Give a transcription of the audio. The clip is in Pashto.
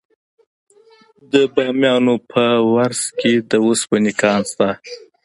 د بامیان په ورس کې د وسپنې کان شته.